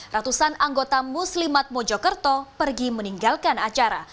ratusan anggota muslimat mojokerto pergi meninggalkan acara